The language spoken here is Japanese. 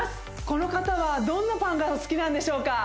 この方はどんなパンがお好きなんでしょうか？